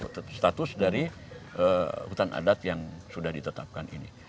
terutama untuk kawasan yang sudah ditetapkan ini